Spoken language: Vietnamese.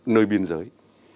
nơi biên giới